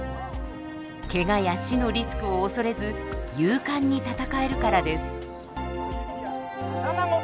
ケガや死のリスクを恐れず勇敢に戦えるからです。